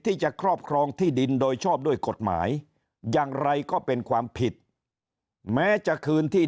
ครอบครองที่ดินโดยชอบด้วยกฎหมายอย่างไรก็เป็นความผิดแม้จะคืนที่